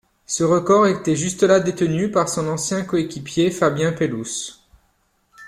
Ce record était jusque-là détenu par son ancien co-équipier Fabien Pelous.